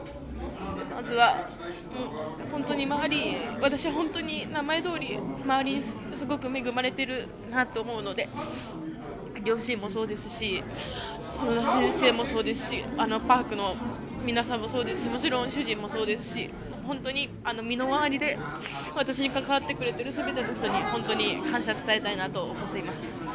まずは、本当に、本当に周りにすごく恵まれているなと思うので両親もそうですし先生もそうですしパークの皆さんもそうですし主人もそうですし本当に身の回りで私に関わってくれている全ての人に本当に感謝を伝えたいなと思います。